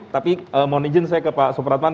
tapi mohon izin saya ke pak supratman